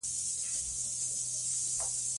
د داسې خلکو سره کۀ دلائل وي هم نۀ